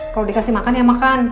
kalau dikasih makan ya makan